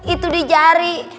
itu di jari